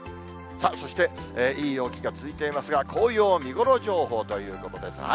そして、いい陽気が続いていますが、紅葉見頃情報ということです。